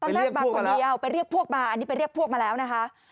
มาคนเดียวไปเรียกพวกมาอันนี้ไปเรียกพวกมาแล้วนะคะ